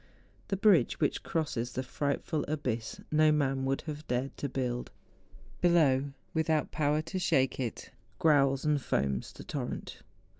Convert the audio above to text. The bridge which crosses the frightful abyss, no man would have dared to build. Below, without power to shake it, growls and foams the torrent.